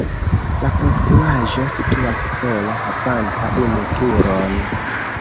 La konstruaĵo situas sola havanta unu turon.